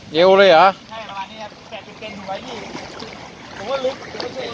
เยอะเลยหรอใช่ประมาณนี้อ่ะ๘๐กิตหัวไว้๒